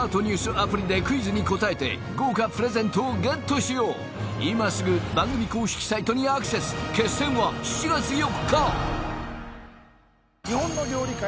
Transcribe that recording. アプリでクイズに答えて豪華プレゼントをゲットしよういますぐ番組公式サイトにアクセス決戦は７月４日